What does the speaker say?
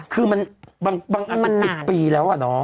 คือบางอันเป็น๑๐ปีแล้วน้อง